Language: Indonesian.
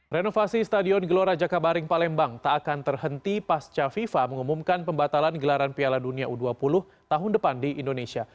renovasi stadion gelora jakabaring palembang tak akan terhenti pasca fifa mengumumkan pembatalan gelaran piala dunia u dua puluh tahun depan di indonesia